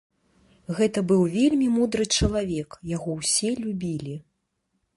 Гэта быў вельмі мудры чалавек, яго ўсе любілі.